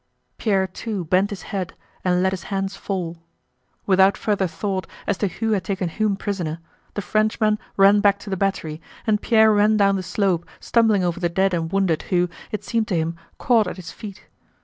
Pierre too bent his head and let his hands fall. Without further thought as to who had taken whom prisoner, the Frenchman ran back to the battery and Pierre ran down the slope stumbling over the dead and wounded who, it seemed to him, caught at his feet.